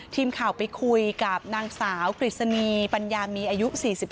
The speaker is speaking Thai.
ทีมข่าวไปคุยกับนางสาวกฤษณีปัญญามีอายุ๔๒